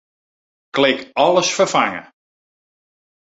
Klik Alles ferfange.